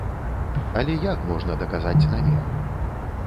Але як можна даказаць намер?